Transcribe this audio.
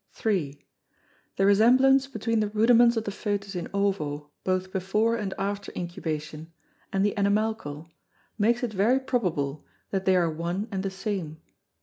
3. The resemblance between the Rudiments of the Fœtus in Ovo, both before and after Incubation, and the Animalcle, makes it very probable, that they are one and the same.